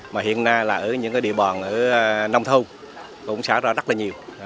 mà hiện nay là ở những địa bàn nông thôn cũng xả ra rất là nhiều